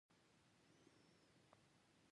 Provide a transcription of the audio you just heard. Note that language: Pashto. عوض خان کاکا او څو نور مسافر.